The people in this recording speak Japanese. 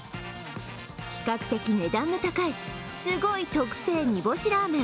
比較的値段が高い、すごい特製煮干しラーメン